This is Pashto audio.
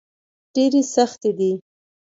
ډبرې سختې دي.